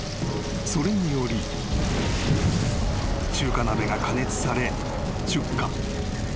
［それにより中華鍋が加熱され出火］